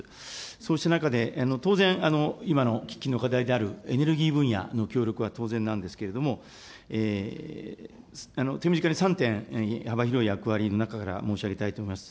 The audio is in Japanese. そうした中で、当然、今の喫緊の課題であるエネルギー分野の協力は当然なんですけれども、手短に３点、幅広い役割の中から申し上げたいと思います。